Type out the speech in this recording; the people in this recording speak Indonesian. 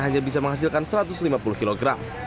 hanya bisa menghasilkan satu ratus lima puluh kg